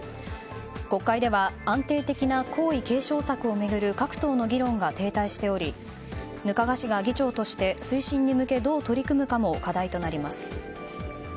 国会では安定的な皇位継承策を巡る各党の議論が停滞しており額賀氏が議長として推進に向けどう取り組むかも課題となります。